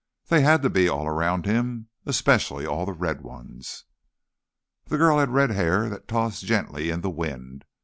They had to be all around him. Especially all the red ones. The girl had red hair that tossed gently in the wind.